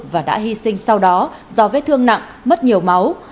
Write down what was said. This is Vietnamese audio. và đã hy sinh sau đó do vết thương nặng mất nhiều máu